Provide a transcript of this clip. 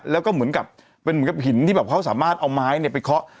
แล้วก็เหมือนกับเป็นเหมือนกับหินที่แบบเขาสามารถเอาไม้เนี่ยไปเคาะ